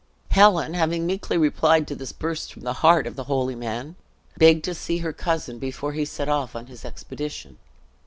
Helen having meekly replied to this burst from the heart of the holy man, begged to see her cousin before he set off on his expedition.